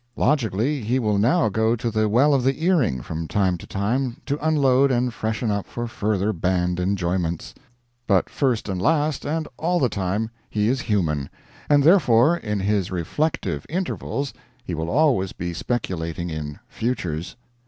Logically, he will now go to the Well of the Earring from time to time to unload and freshen up for further banned enjoyments. But first and last and all the time he is human, and therefore in his reflective intervals he will always be speculating in "futures."